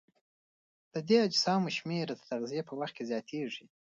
د دې اجسامو شمېر د تغذیې په وخت کې زیاتیږي.